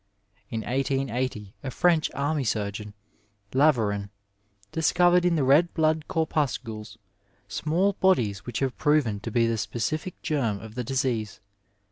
In 1880 a French army surgeon, Laveran, discovered in the red blood corpuscles small bodies which have proved to be the specific germ of the disease.